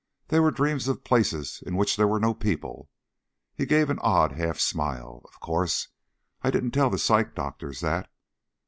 They were dreams of places in which there were no people." He gave an odd half smile. "Of course I didn't tell the psych doctors that."